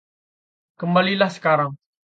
Kembalilah sekarang.